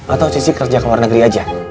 atau cici kerja ke luar negeri saja